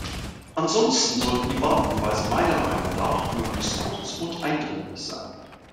Ansonsten sollten die Warnhinweise meiner Meinung nach möglichst kurz und eindringlich sein.